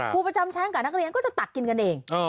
ครูประจำชั้นกับนักเรียนก็จะตักกินกันเอง